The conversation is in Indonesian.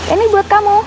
ini buat kamu